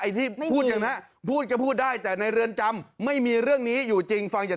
ที่พูดอย่างนั้นพูดก็พูดได้แต่ในเรือนจำไม่มีเรื่องนี้อยู่จริงฟังจาก